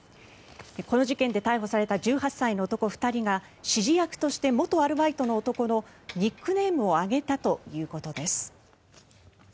この事件で逮捕された１８歳の男２人が指示役として元アルバイトの男のニックネームを挙げたということです。